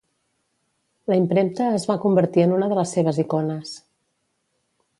La impremta es va convertir en una de les seves icones.